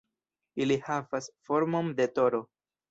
Ili havas formon de toro.